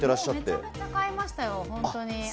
めちゃくちゃ買いましたよ、本当に。